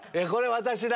私だ。